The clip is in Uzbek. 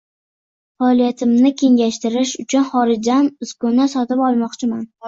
Faoliyatimni kengaytirish uchun xorijdan uskuna sotib olmoqchiman.